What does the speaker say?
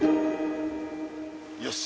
よし！